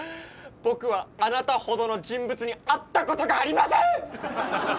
僕はあなたほどの人物に会ったことがありません！